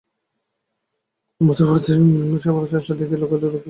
করুণমূর্তি বধূর এই অনভ্যস্ত সেবার চেষ্টা দেখিয়া রাজলক্ষ্মীর শুষ্ক চক্ষু প্লাবিত হইয়া গেল।